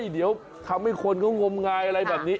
เดี๋ยวทำให้คนเขางมงายอะไรแบบนี้